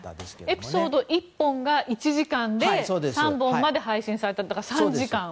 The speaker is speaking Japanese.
エピソード１本が１時間で３本まで配信されているから３時間と。